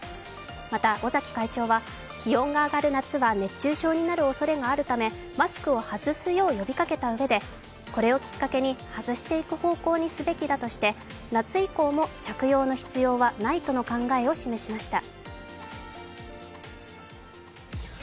また尾崎会長は気温が上がる夏は熱中症になるおそれがあるため、マスクを外すよう呼びかけたうえで、これをきっかけに外していく方向にすべきだとして夏以降も着用の必要はないとの考えを示しました。